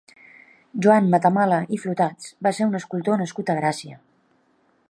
Joan Matamala i Flotats va ser un escultor nascut a Gràcia.